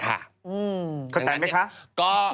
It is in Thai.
เข้าใจไหมคะ